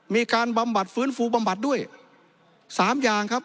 บำบัดฟื้นฟูบำบัดด้วยสามอย่างครับ